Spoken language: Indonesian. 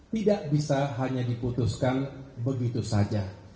tidak bisa hanya diputuskan begitu saja